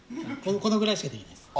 このぐらいしかできないです。